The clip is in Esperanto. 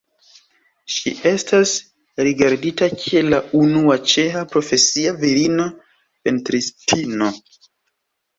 Ŝi estas rigardita kiel la unua ĉeĥa profesia virino pentristino.